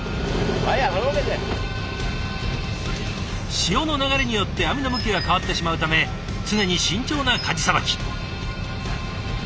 潮の流れによって網の向きが変わってしまうため常に慎重なかじさばき。